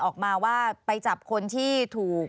ออกมาว่าไปจับคนที่ถูก